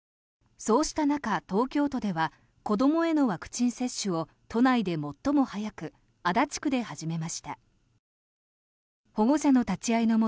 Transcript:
そうした中、東京都では子どもへのワクチン接種を都内で最も早く足立区で始めました。